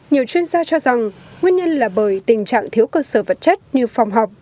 nhiều chuyên gia cho rằng nguyên nhân là bởi tình trạng thiếu cơ sở vật chất như phòng học